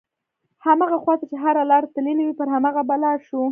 هماغه خواته چې هره لاره تللې وي پر هماغه به لاړ شو.